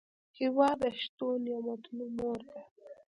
هېواد د شتو نعمتونو مور ده.